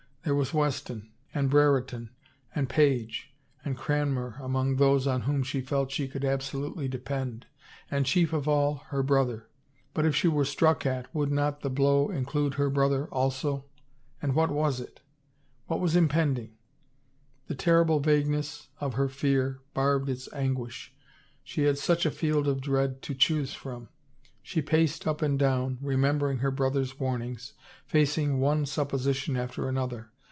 There was Weston and Brereton and Page and Cranmer among those on whom she felt she could absolutely depend ; and chief of all, her brother. But if she were struck at would not the blow include her brother, also? And what was it? What was impending? The terrible vagueness of her fear barbed its anguish. She had such a field of dread to choose from ! She paced up and down, remembering her brother's warnings, facing one supposition after another.